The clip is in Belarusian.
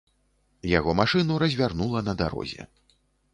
Яго машыну развярнула на дарозе.